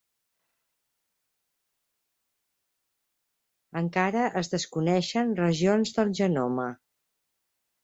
Encara es desconeixen regions del genoma